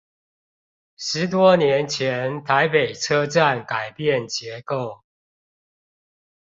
十多年前台北車站改變結構